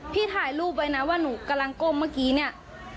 ถ่ายรูปไว้นะว่าหนูกำลังก้มเมื่อกี้เนี่ย